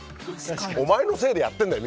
お前のせいでやってるんだよ